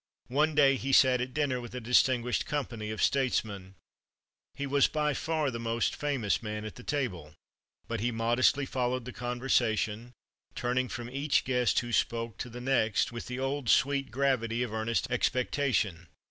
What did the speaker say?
One day he sat at dinner with a distinguished company of statesmen. He was by far the most famous man at the table; but he modestly followed the conversation, turning from each guest who spoke, to the next, with the old sweet gravity of earnest expectation.